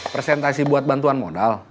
presentasi buat bantuan modal